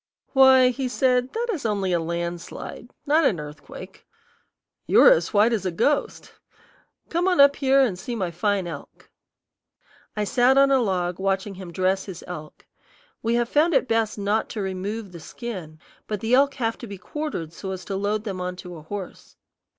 "Why," he said, "that is only a landslide, not an earthquake. You are as white as a ghost. Come on up here and see my fine elk." I sat on a log watching him dress his elk. We have found it best not to remove the skin, but the elk have to be quartered so as to load them on to a horse.